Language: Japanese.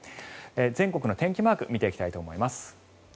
全国の天気マークを見ていきたいと思います。